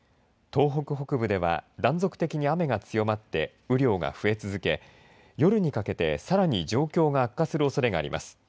東北北部では断続的に雨が強まって雨量が増え続け夜にかけてさらに状況が悪化するおそれがあります。